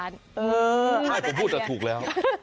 ใช่ผมพูดแต่ถูกแล้ว